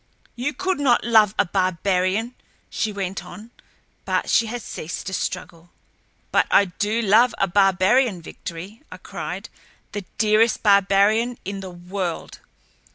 "You could not love a barbarian," she went on, but she had ceased to struggle. "But I do love a barbarian, Victory!" I cried, "the dearest barbarian in the world."